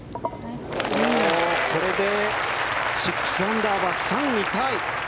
これで６アンダーは３位タイ。